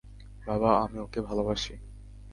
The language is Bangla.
বাবা, আমি ওকে ভালবাসি।